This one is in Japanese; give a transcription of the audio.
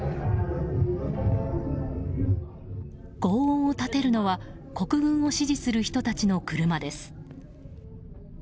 轟音を立てるのは国軍を支持する人たちの車です。